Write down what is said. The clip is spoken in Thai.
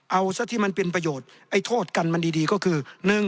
เอาซะที่มันเป็นประโยชน์ไอ้โทษกันมันดีก็คือ